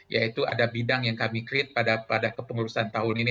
yaitu ada bidang yang kami create pada kepengurusan tahun ini